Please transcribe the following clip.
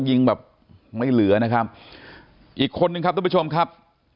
ยิงแบบไม่เหลือนะครับอีกคนนึงครับทุกผู้ชมครับ